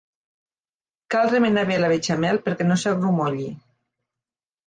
Cal remenar bé la beixamel perquè no s'agrumolli.